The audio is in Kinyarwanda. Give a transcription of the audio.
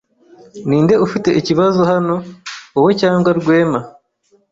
Ninde ufite ikibazo hano, wowe cyangwa Rwema?